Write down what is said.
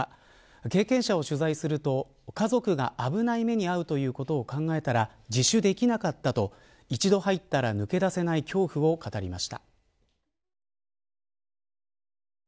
経験者を取材すると家族が危ない目に遭うということを考えたら自首できなかったと一度入ったら抜け出せない恐怖を語りました。